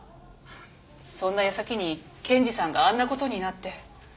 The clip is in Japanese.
そんな矢先に健治さんがあんなことになって。